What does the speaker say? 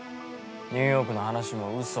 ニューヨークの話もうそ。